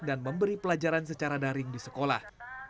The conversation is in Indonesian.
dan memberi pelajaran secara daring di sekolah